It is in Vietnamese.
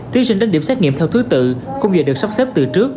thí sinh đến điểm xét nghiệm theo thứ tự không giờ được sắp xếp từ trước